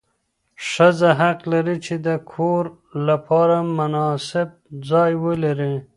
ښځه حق لري چې د کور لپاره مناسب ځای ولري.